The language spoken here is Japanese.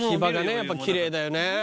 やっぱきれいだよねねえ